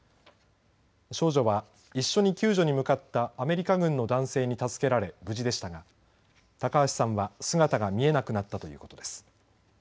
少女は、一緒に救助に向かったアメリカ軍の男性に助けられ無事でしたが、高橋さんは姿が見えなくなったということです。